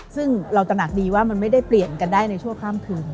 ซึ่งเราตระหนักดีว่ามันไม่ได้เปลี่ยนกันได้ในชั่วข้ามคืน